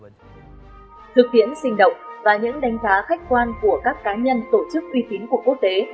thực tiễn sinh động và những đánh giá khách quan của các cá nhân tổ chức uy tín của quốc tế